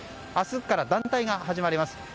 明日から団体が始まります。